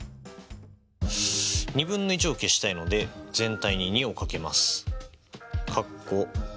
２分の１を消したいので全体に２を掛けます。